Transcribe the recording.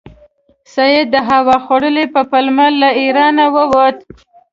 سید د هوا خورۍ په پلمه له ایرانه ووت.